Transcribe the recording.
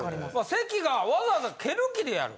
関がわざわざ毛抜きでやる。